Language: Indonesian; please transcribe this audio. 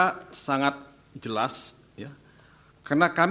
karena kami tidak semata mata bicara tentang hal hal yang tidak terkait dengan perbedaan paradigma